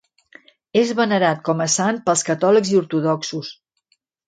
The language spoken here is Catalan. És venerat com a sant pels catòlics i ortodoxos.